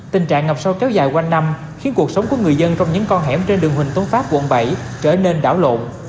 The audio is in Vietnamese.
tình trạng ngập sâu kéo dài quanh năm khiến cuộc sống của người dân trong những con hẻm trên đường huỳnh tuấn pháp quận bảy trở nên đảo lộn